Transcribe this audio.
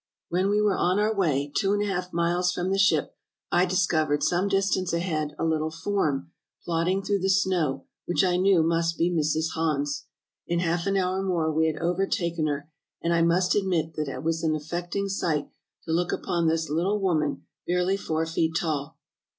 "When we were on our way, two and a half miles from the ship, I discovered some distance ahead a little form, plodding through the snow, which I knew must be Mrs. Hans. In half an hour more we had overtaken her, and I must admit that it was an affect ing sight to look upon this little woman, barely four feet tall.